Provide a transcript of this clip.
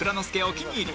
お気に入り